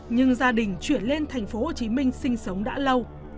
nhưng gia đình chuyển lên tp hcm sinh sống đã lâu